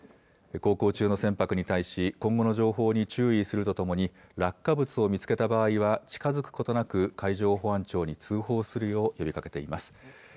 航行中の船舶に対し、今後の情報に注意するとともに、落下物を見つけた場合は、近づくことなく、海上保安庁に通報するよう呼びかけています。